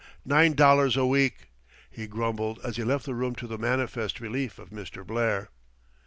Nine dollars a week!" he grumbled as he left the room to the manifest relief of Mr. Blair.